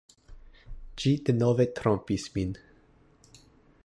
Ĝi denove trompis min.